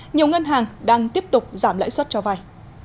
nhiều ngân hàng đang tiếp tục giảm lãi suất cho vay